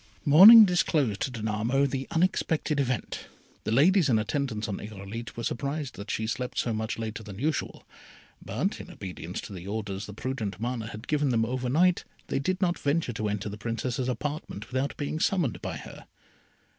Morning disclosed to Danamo the unexpected event. The ladies in attendance on Irolite were surprised that she slept so much later than usual; but, in obedience to the orders the prudent Mana had given them over night, they did not venture to enter the Princess's apartment without being summoned by her.